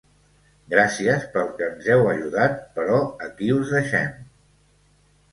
Gràcies pel que ens heu ajudat, però aquí us deixem!